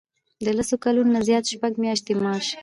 د لس کلونو نه زیات شپږ میاشتې معاش.